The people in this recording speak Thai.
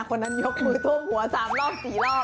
คนนั้นยกมือท่วมหัว๓รอบ๔รอบ